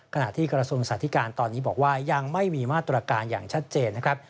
กระหน่าที่กล้าศูนย์สหภิการตอนนี้บอกว่ายังไม่มีมาตรการอย่างชัดเจนนะครับ